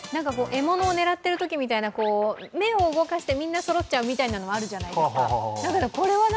獲物を狙っているときみたいな、目を動かしてみんな、そろっちゃうみたいなのはあるじゃないですか。